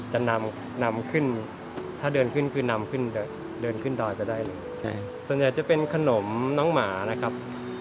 จะนำนำขึ้นถ้าเดินขึ้นคือนำขึ้นเดินขึ้นดอยไปได้เลยส่วนใหญ่จะเป็นขนมน้องหมานะครับ